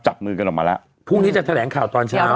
จับมือกันออกมาแล้วพรุ่งนี้จะแถลงข่าวตอนเช้า